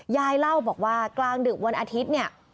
ยายเล่าบอกว่ากลางดึกวันอาทิตย์เนี่ย